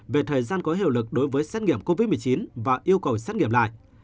về thời gian có hiệu lực đối với xét nghiệm covid một mươi chín và yêu cầu xét nghiệm lại